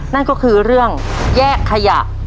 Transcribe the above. นั่นก็คือเรื่องแยกขยะ